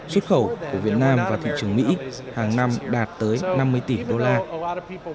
xuất khẩu của việt nam vào thị trường mỹ hàng năm đạt tới năm mươi tỷ usd